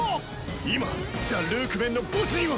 今ザ・ルークメンの墓地には。